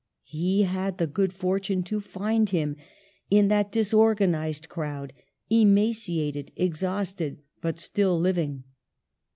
He had the good fortune to find him in that disorganised crowd, emaciated, ex hausted, but still living.